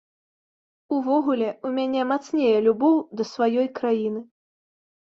Увогуле, у мяне мацнее любоў да сваёй краіны.